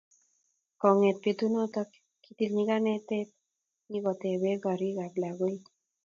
kongete petunoto, kitil nyikanet nyikotepe korikap lagoik